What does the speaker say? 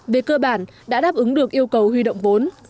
về cơ bản đã đáp ứng được yêu cầu huy động vốn